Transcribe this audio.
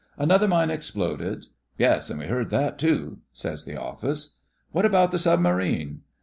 "Another mine exploded!" "Yes, and we heard that too," says the Office. " What about the submarine?